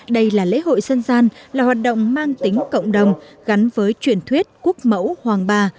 đây là lễ hội dân gian là hoạt động mang tính cộng đồng gắn với truyền thuyết quốc mẫu hoàng ba